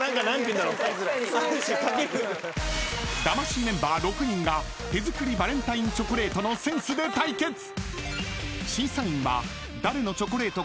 ［魂メンバー６人が手作りバレンタインチョコレートのセンスで対決］